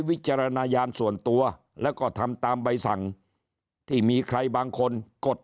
วิจารณญาณส่วนตัวแล้วก็ทำตามใบสั่งที่มีใครบางคนกด